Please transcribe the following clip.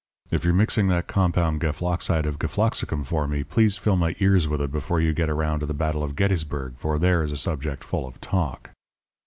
If you're mixing that compound gefloxide of gefloxicum for me, please fill my ears with it before you get around to the battle of Gettysburg, for there is a subject full of talk.'